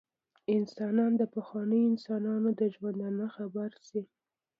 انسان د پخوانیو انسانانو له ژوندانه خبر شي.